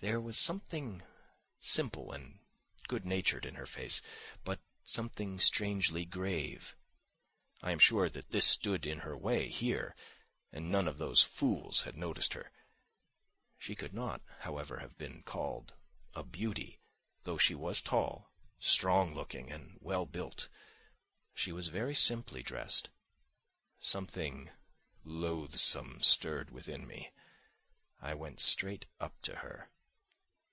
There was something simple and good natured in her face, but something strangely grave. I am sure that this stood in her way here, and no one of those fools had noticed her. She could not, however, have been called a beauty, though she was tall, strong looking, and well built. She was very simply dressed. Something loathsome stirred within me. I went straight up to her.